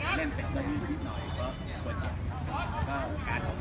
อ่าเดี๋ยวไปให้ดูในเฟสบุ๊คกันครับ